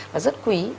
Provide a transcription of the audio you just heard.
và rất quý